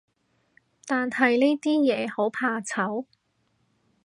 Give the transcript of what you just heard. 但係呢啲嘢，好怕醜